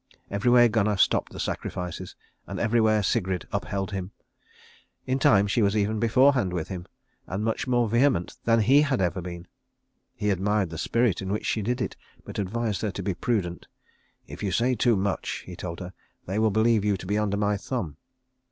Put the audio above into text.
Everywhere Gunnar stopped the sacrifices, and everywhere Sigrid upheld him. In time she was even beforehand with him, and much more vehement than he had ever been. He admired the spirit in which she did it, but advised her to be prudent. "If you say too much," he told her, "they will believe you to be under my thumb."